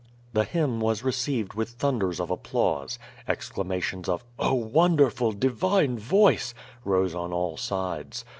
The hymn was received with thunders of applause. Ex clamations of "Oh wonderful, divine voice,^^ rose on all sides.